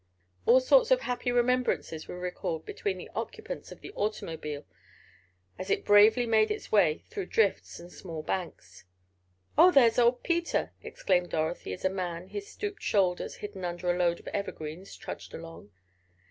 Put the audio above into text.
All sorts of happy remembrances were recalled between the occupants of the automobile, as it bravely made its way through drifts and small banks. "Oh, there's old Peter!" exclaimed Dorothy, as a man, his stooped shoulders hidden under a load of evergreens, trudged along.